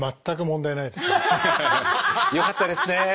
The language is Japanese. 全く問題ないですね。